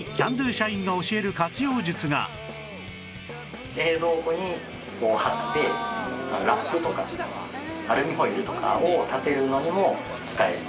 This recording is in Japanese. さらに冷蔵庫に貼ってラップとかアルミホイルとかを立てるのにも使えます。